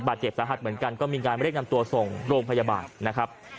เจ็บสาหัสเหมือนกันก็มีการเรียกนำตัวส่งโรงพยาบาลนะครับ